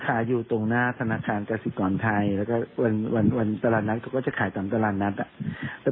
อยู่ตรงหน้าธนาคารกสิกรไทยแล้วก็วันวันตลาดนัดเขาก็จะขายตามตลาดนัดอ่ะ